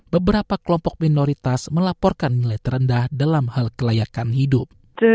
beberapa kelompok minoritas melaporkan nilai terendah dalam hal kelayakan hidup